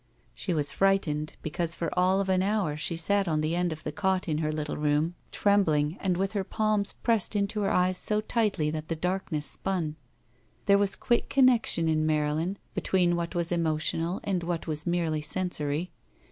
She was frightened, because for all of an hour she sat on the end of the cot in her little room trembling 137 THE VERTICAL CITY and with her pahns pressed into her eyes so tightly that the darkness spun. There was qtiick connection in Marylin between what was emotional and what was merely sensory.